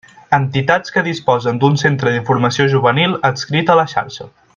Entitats que disposen d'un centre d'informació juvenil adscrit a la Xarxa.